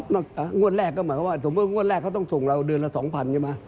งวดแรกก็หมายความว่าสมมุติงวดแรกเขาต้องส่งเราเดือนละ๒๐๐ใช่ไหม